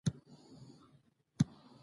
نرمي به رانیسم.